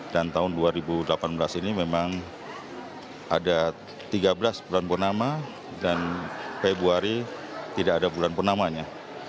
dan tahun dua ribu delapan belas ini memang ada tiga belas bulan pertama dan februari tidak ada bulan penamanya